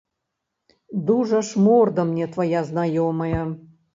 Дужа ж морда мне твая знаёмая!